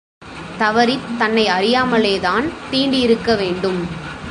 தவறித் தன்னை அறியாமலே தான் தீண்டியிருக்க வேண்டும்.